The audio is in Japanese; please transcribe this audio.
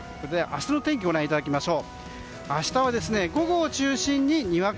明日の天気をご覧いただきます。